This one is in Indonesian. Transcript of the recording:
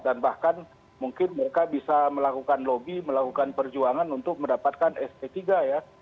dan bahkan mungkin mereka bisa melakukan logi melakukan perjuangan untuk mendapatkan sp tiga ya